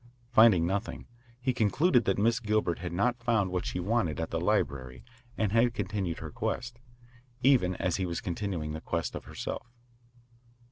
Finding nothing, he concluded that Miss Gilbert had not found what she wanted at the library and had continued the quest, even as he was continuing the quest of herself.